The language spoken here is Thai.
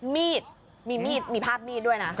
มีดมีภาพมีดด้วยนะ